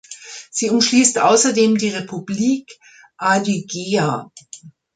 Sie umschließt außerdem die Republik Adygeja.